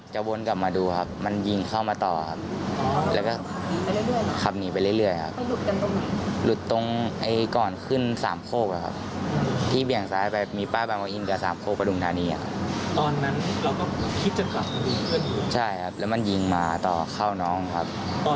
กระบวนกลับมาดูครับมันยิงเข้ามาต่อครับแล้วก็ขับหนีไปเรื่อยเรื่อยครับ